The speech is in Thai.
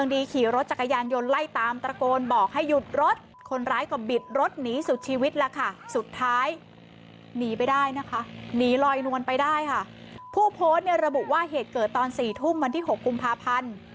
นีไปได้นะคะหนีลอยนวนไปได้ค่ะผู้โพสต์เนี่ยระบุว่าเหตุเกิดตอนสี่ทุ่มวันที่หกกุมภาพันธ์